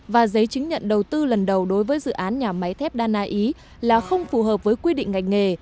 và giấy chứng nhận đầu tư lần đầu đối với dự án nhà máy thép đa na ý là không phù hợp với quy định ngạch nghề